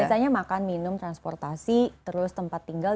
misalnya makan minum transportasi terus tempat tinggal